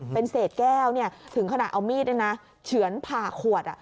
เป็นเศษแก้วถึงขนาดเอามีดเฉือนผ่าขวด